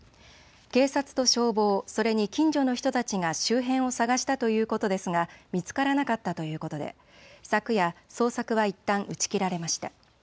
警察と消防それに近所の人たちが周辺を捜したということですが見つからなかったということで昨夜、捜索はいったん打ち切られました。